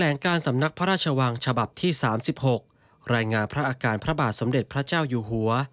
ลงการสำนักพระราชวังฉบับที่๓๖รายงานพระอาการพระบาทสมเด็จพระเจ้าอยู่หัว